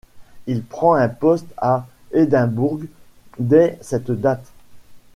Il prend un poste à Édimbourg dès cette date.